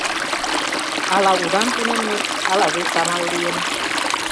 Ала удан тунемыныт, ала вес амал лийын.